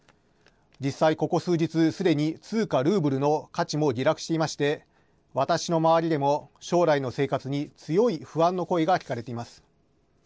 実際、ここ数日通貨ルーブルの価値も下落していまして私の周りでも将来の生活に強い不安の声が聞かれています。